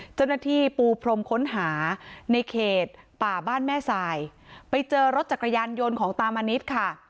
เจ้าหน้าที่ปูพรมค้นหาในเขตป่าบ้านแม่สายไปเจอรถจักรยานยนต์ของตามนิดค่ะ